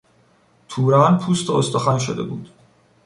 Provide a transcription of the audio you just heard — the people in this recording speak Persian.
توران پوست و استخوان شده بود.